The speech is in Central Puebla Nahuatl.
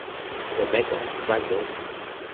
Se mekatl, san yon.